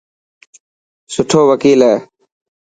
سٺو وڪيل هي.